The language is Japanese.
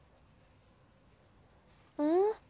うん？